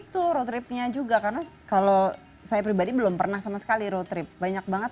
itu road tripnya juga karena kalau saya pribadi belum pernah sama sekali road trip banyak banget